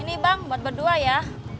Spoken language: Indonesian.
ini bang buat berdua ya